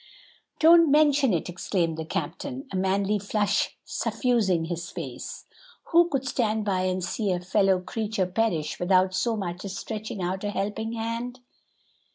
"Don't mention it!" exclaimed the captain, a manly flush suffusing his face; "who could stand by and see a fellow creature perish without so much as stretching out a helping hand?"